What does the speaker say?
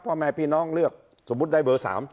พ่อแม่พี่น้องเลือกสมมุติได้เบอร์๓